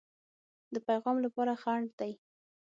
د پیغام لپاره خنډ دی.